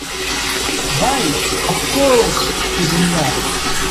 Why, of course, to Geneva.